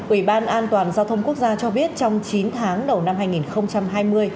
ủy ban an toàn giao thông quốc gia cho biết trong chín tháng đầu năm hai nghìn hai mươi